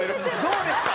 どうですか？